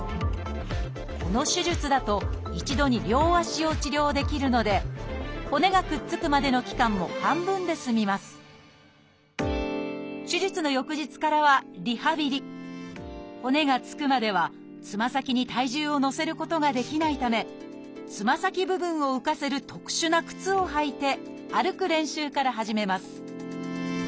この手術だと一度に両足を治療できるので骨がくっつくまでの期間も半分で済みます骨がつくまではつま先に体重を乗せることができないためつま先部分を浮かせる特殊な靴を履いて歩く練習から始めます